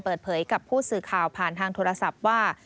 เปิดเผยกับผู้สื่อข่าวผ่านทางโทรศัพท์ว่า